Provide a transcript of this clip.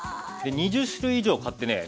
２０種類以上買ってね